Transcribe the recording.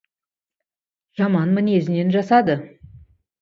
Жаман мінезінен жазады.